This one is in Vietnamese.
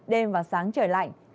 đêm và sáng trời lạnh